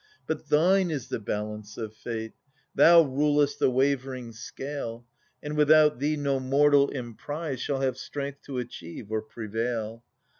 But thine is the balance of fate, thou rulest the wavering scale, And without thee no mortal emprise shall have strength to achieve or prevail.